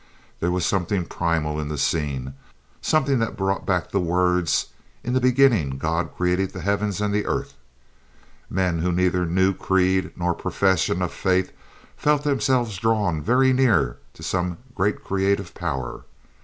There was something primal in the scene, something that brought back the words, "In the beginning God created the heavens and the earth." Men who knew neither creed nor profession of faith felt themselves drawn very near to some great creative power.